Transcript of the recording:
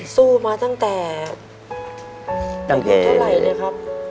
สู้มาตั้งแต่เพลงเท่าไหร่เลยครับ